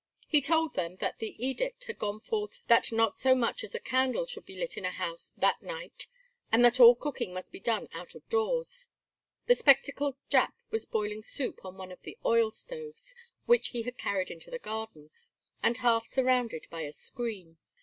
He told them that the edict had gone forth that not so much as a candle should be lit in a house that night and that all cooking must be done out of doors. The spectacled Jap was boiling soup on one of the oil stoves, which he had carried into the garden and half surrounded by a screen.